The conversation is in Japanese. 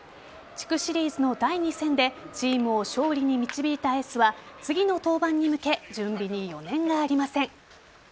地区シリーズの第２戦でチームを勝利に導いたエースは次の登板に向け準備に余念がありません。